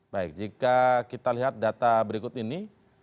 baik jika kita lihat data berikut ini